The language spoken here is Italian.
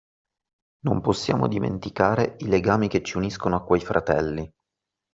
Non possiamo dimenticare i legami che ci uniscono a quei fratelli